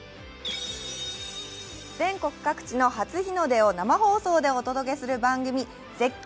全国各地の初日の出を生放送でお届けする番組、「絶景！